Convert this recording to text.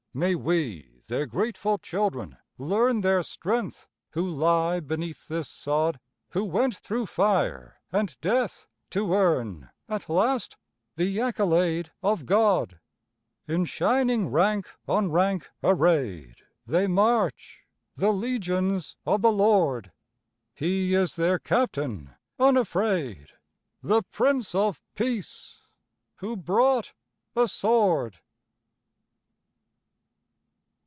May we, their grateful children, learn Their strength, who lie beneath this sod, Who went through fire and death to earn At last the accolade of God. In shining rank on rank arrayed They march, the legions of the Lord; He is their Captain unafraid, The Prince of Peace ... Who brought a sword.